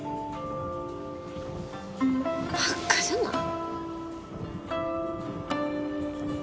バッカじゃない？